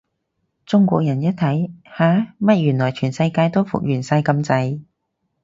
中國人一睇，吓？乜原來全世界都復原晒咁滯？